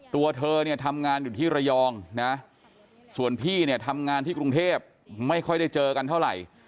ตัวเธอเนี่ยทำงานอยู่ที่ระยองนะส่วนพี่เนี่ยทำงานที่กรุงเทพไม่ค่อยได้เจอกันเท่าไหร่